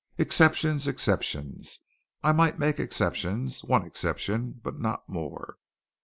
"Exceptions, exceptions. I might make exceptions one exception but not more."